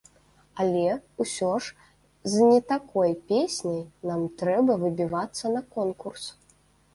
Але, усё ж, з не такой песняй нам трэба выбівацца на конкурс.